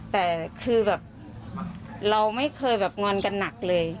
แต่คือแบบเราไม่เคยแบบงอนกันหนักเลย